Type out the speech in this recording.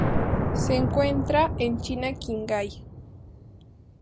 Se encuentra en China en Qinghai.